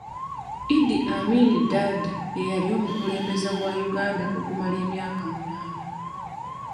Idi Amin Dada ye yali omukulembeze wa Uganda okumala emyaka munaana.